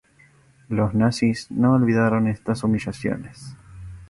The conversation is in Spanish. Los nazis no olvidaron estas humillaciones.